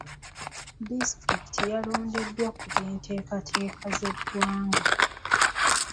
Disitulikiti yalondeddwa ku by'enteekateeka z'eggwanga.